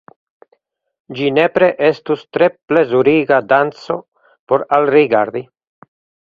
Ĝi nepre estus tre plezuriga danco por alrigardi.